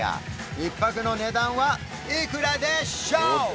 １泊の値段はいくらでしょう？